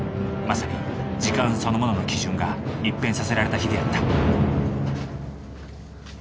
まさに時間そのものの基準が一変させられた日であった。